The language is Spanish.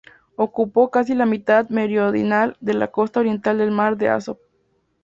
Ocupa casi la mitad meridional de la costa oriental del mar de Azov.